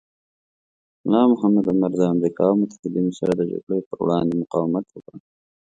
ملا محمد عمر د امریکا او متحدینو سره د جګړې پر وړاندې مقاومت وکړ.